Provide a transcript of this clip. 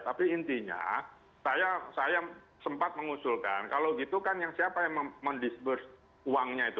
tapi intinya saya sempat mengusulkan kalau gitu kan yang siapa yang mendisburse uangnya itu